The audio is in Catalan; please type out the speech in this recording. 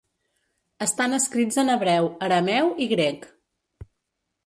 Estan escrits en hebreu, arameu i grec.